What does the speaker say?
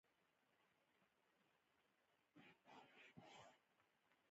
هغه نور هوټلونه ټول کال خلاص پاتېږي.